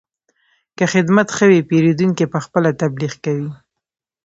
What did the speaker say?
که خدمت ښه وي، پیرودونکی پخپله تبلیغ کوي.